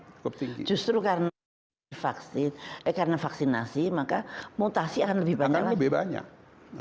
justru karena vaksinasi maka mutasi akan lebih banyak lagi